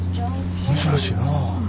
珍しいな。